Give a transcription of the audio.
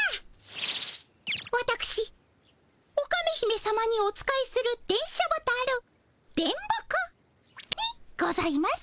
わたくしオカメ姫さまにお仕えする電書ボタル電ボ子にございます。